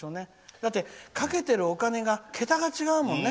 だって、かけてるお金が桁が違うもんね。